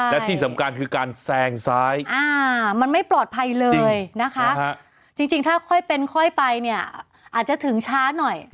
และที่สำคัญคือการแซงซ้ายมันไม่ปลอดภัยเลยนะคะจริงถ้าค่อยเป็นค่อยไปเนี่ยอาจจะถึงช้าหน่อย